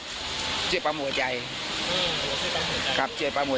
ก็ช่วยปั๊มหัวใจครับ